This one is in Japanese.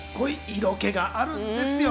色気があるんですよ。